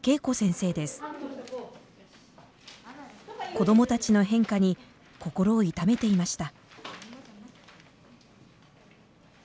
子どもたちの変化に心を痛めていました。